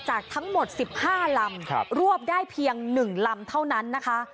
จากทั้งหมดสิบห้าลำครับรวบได้เพียงหนึ่งลำเท่านั้นนะคะ